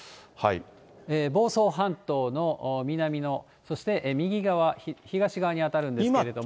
房総半島の南の、そして右側、東側に当たるんですけれども。